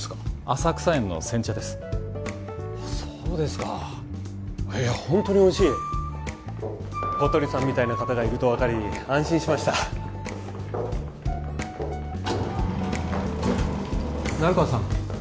浅草園の煎茶ですそうですかいやホントにおいしい小鳥さんみたいな方がいると分かり安心しました成川さん